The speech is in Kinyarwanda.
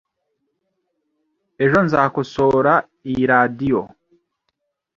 Ejo nzakosora iyi radio .